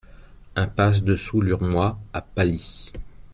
Impasse Dessous l'Urmois à Pasly